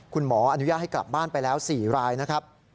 คุณหมออนุญาตให้กลับบ้านไปแล้ว๔รายนะครับ